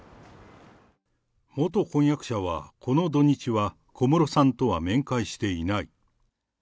元婚約者は、この土日は、小室さんとは面会していない。